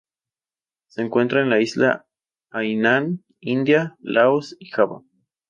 Se encuentra en la Isla Hainan, India, Laos y Java.